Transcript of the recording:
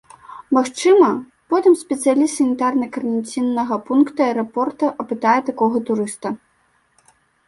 Магчыма, потым спецыяліст санітарна-каранціннага пункта аэрапорта апытае такога турыста.